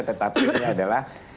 tetapi ini adalah